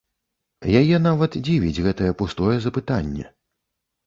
Яе нават дзівіць гэтае пустое запытанне!